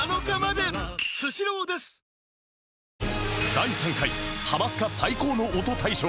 第３回ハマスカ最高の音大賞